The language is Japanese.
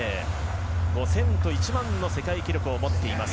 ５０００と１００００の世界記録を持っています。